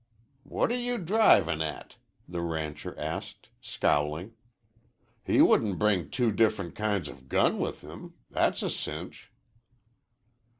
"What are you drivin' at?" the rancher asked, scowling. "He wouldn't bring two different kinds of gun with him. That's a cinch."